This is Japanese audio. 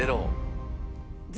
０。